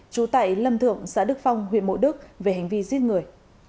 trú tại lâm thượng xã đức phong huyện mộ đức về hành vi giết người